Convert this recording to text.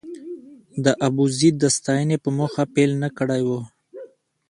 د ابوزید د ستاینې په موخه پيل نه کړی و.